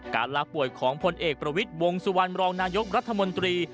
ลาป่วยของพลเอกประวิทย์วงสุวรรณรองนายกรัฐมนตรี